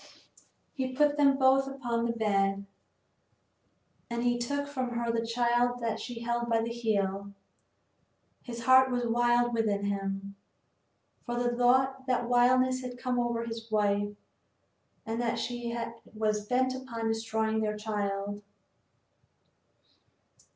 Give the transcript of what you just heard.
He put them both upon the bed, and he took from her the child that she held by the heel. His heart was wild within him, for the thought that wildness had come over his wife, and that she was bent upon destroying their child.